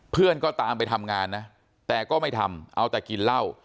เพื่อนก็ตามไปทำงานนะแต่ก็ไม่ทำเอาแต่กินเหล้า